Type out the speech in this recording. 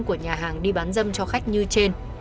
của nhà hàng đi bán dâm cho khách như trên